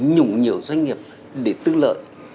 nhủ nhiều doanh nghiệp để tư lợi